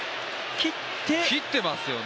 切っていますよね。